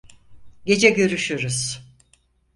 Gece görüşürüz.